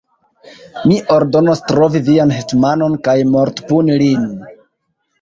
Mi ordonos trovi vian hetmanon kaj mortpuni lin!